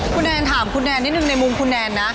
คุณแนนถามคุณแนนนิดนึงในมุมคุณแนนนะ